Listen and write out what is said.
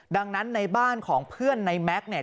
ดังนั้นในบ้านของเพื่อนในแม็กซ์เนี่ย